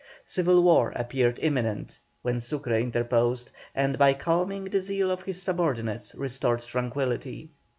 Civil war appeared imminent, when Sucre interposed, and by calming the zeal of his subordinates, restored tranquillity.